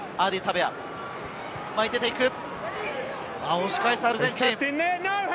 押し返すアルゼンチン。